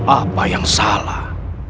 apa yang salah